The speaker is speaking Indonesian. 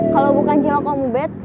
kalau bukan cilok omobet